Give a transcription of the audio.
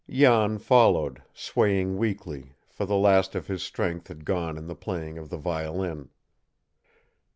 Jan followed, swaying weakly, for the last of his strength had gone in the playing of the violin.